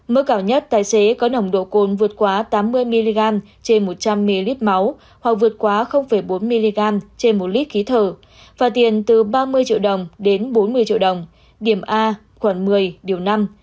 mức phạt tiền sẽ từ sáu triệu đồng đến một mươi triệu đồng điểm a khoảng một mươi điều năm